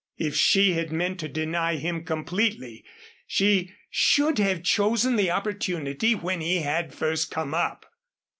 If she had meant to deny him completely, she should have chosen the opportunity when he had first come up.